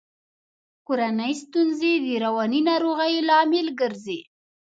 کورنۍ ستونزي د رواني ناروغیو لامل ګرزي.